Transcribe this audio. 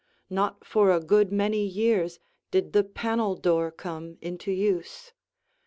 Not for a good many years did the panel door come into use.